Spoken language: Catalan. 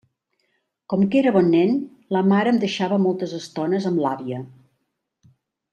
Com que era bon nen, la mare em deixava moltes estones amb l'àvia.